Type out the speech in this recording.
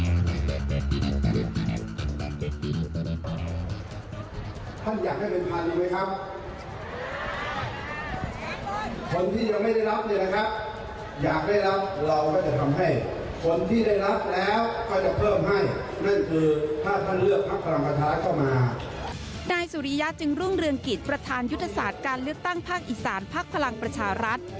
นายสุริยะจึงรุ่งเรืองกิจประธานยุทธศาสตร์การเลือกตั้งภาคอีสานภักดิ์พลังประชารัฐ